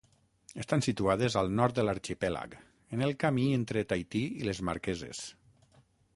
Estan situades al nord de l'arxipèlag, en el camí entre Tahití i les Marqueses.